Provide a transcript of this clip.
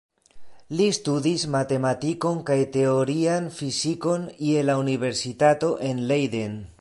Li studis matematikon kaj teorian fizikon je la universitato en Leiden.